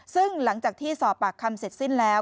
ซึ่งหลังจากที่สอบปากคำเสร็จสิ้นแล้ว